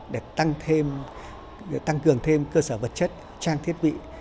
để tăng cường thêm cơ sở vật chất trang thiết bị